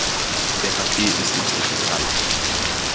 Der Kaffee ist inzwischen kalt.